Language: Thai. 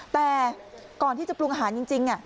แต่ก่อนที่จะปรุงอาหารจริง